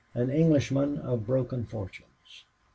An Englishman of broken fortunes.